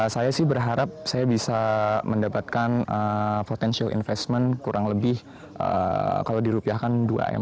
saya sih berharap saya bisa mendapatkan potential investment kurang lebih kalau dirupiahkan dua m